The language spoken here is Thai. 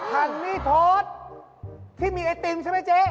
อันนี้โทษที่มีไอติมใช่ไหมเจ๊